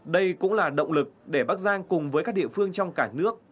đây cũng là động lực để bắc giang cùng với các địa phương trong cả nước